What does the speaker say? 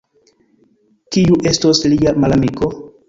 Kiu estos lia malamiko?